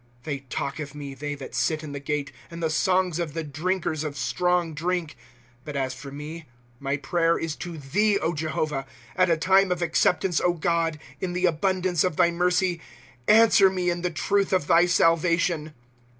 " They talk of me, they that sit in the gate. And the songs of the drinkers of strong drink. " But as for me, my prayer is to thee, Jehovah ; At a time of acceptance, O God, in the abundance of thy mercy, Answer me in the truth of thy salvation.